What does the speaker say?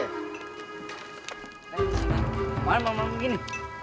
neng kemarin mama begini